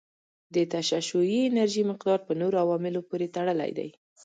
د تشعشعي انرژي مقدار په نورو عواملو پورې تړلی دی.